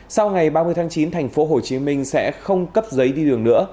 sau ngày ba mươi tháng chín thành phố hồ chí minh sẽ không cấp giấy đi đường nữa